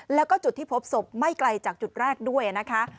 แล้วก็จุดที่พบศพไม่ไกลจากจุดแรกด้วยนะคะ